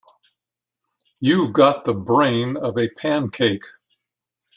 You've got the brain of a pancake.